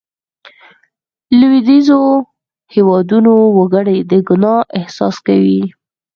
لوېدیځو هېوادونو وګړي د ګناه احساس کوي.